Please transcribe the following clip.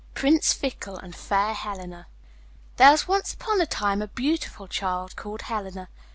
PRINCE FICKLE AND FAIR HELENA (From the German) There was once upon a time a beautiful girl called Helena.